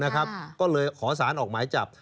ก็เลยขอสารออกหมายจับ